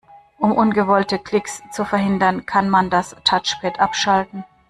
Um ungewollte Klicks zu verhindern, kann man das Touchpad abschalten.